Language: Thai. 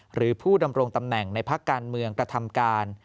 หรือผู้ดำรงตำแหน่งในภาคการเมืองกระทำการ